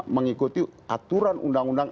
mengikuti aturan undang undang